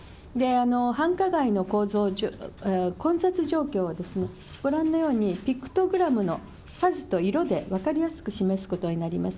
繁華街の混雑状況をですね、ご覧のようにピクトグラムの数と色で分かりやすく示すことになります。